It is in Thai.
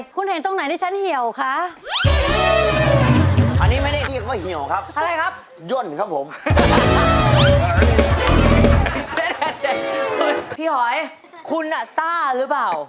พี่หอยคุณซ่าหรือไม่